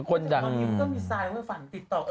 คนดังถ้าตอนนี้ก็มีไซน์ว่าฝันติดต่อ